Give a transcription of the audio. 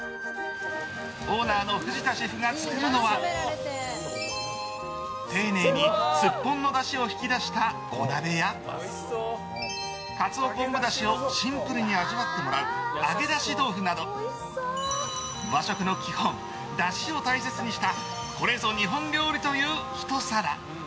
オーナーの藤田シェフが作るのは丁寧に、すっぽんのだしを引き出した小鍋やカツオ昆布だしをシンプルに味わってもらう揚げ出し豆腐など和食の基本、だしを大切にしたこれぞ日本料理というひと皿。